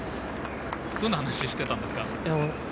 どんな話をしていたんですか？